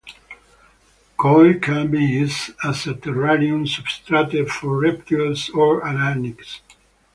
Coir can be used as a terrarium substrate for reptiles or arachnids.